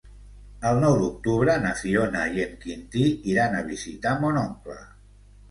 El nou d'octubre na Fiona i en Quintí iran a visitar mon oncle.